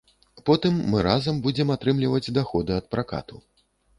Потым мы разам будзем атрымліваць даходы ад пракату.